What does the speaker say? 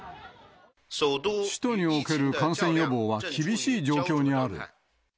首都における感染予防は厳しい状況にある。